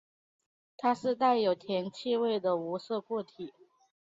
它是带有甜气味的无色固体。